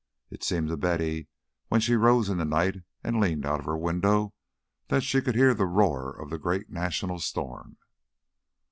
It seemed to Betty when she rose in the night and leaned out of her window that she could hear the roar of the great national storm.